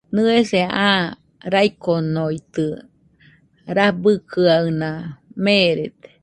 Nɨese aa raikonoitɨ rabɨkɨaɨna, merede